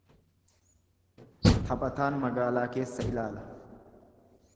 Taphataan magaalaa keessa ilaala.